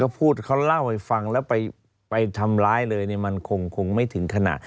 พูดเขาเล่าให้ฟังแล้วไปทำร้ายเลยมันคงไม่ถึงขณะ